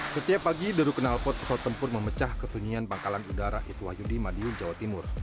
setiap pagi deru kenal pot pesawat tempur memecah kesunyian pangkalan udara iswah yudi madiun jawa timur